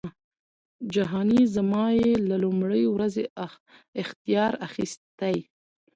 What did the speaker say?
جهانی زما یې له لومړۍ ورځی اختیار اخیستی